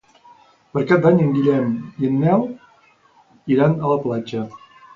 Per Cap d'Any en Guillem i en Nel iran a la platja.